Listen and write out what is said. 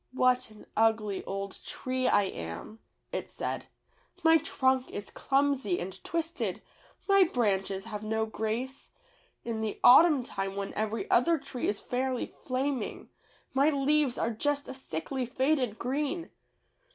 'What an ugly old tree I am,'^ it said; "my trunk is clumsy and twisted, my branches have no grace. In the autumn time when every other tree is fairly flaming, my leaves are just a sickly faded green.